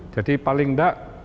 jadi paling enggak